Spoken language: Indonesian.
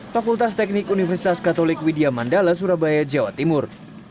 fakultas teknik universitas katolik widya mandala surabaya jawa timur